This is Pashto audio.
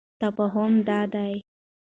تفاهم دادی: